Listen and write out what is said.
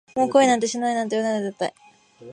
もう恋なんてしないなんて、言わないよ絶対